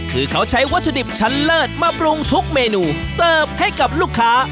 คือเขาใช้วัตถุดิบชั้นเลิศมาปรุงทุกเมนูเสิร์ฟให้กับลูกค้า